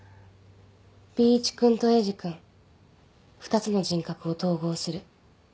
Ｂ一君とエイジ君２つの人格を統合する。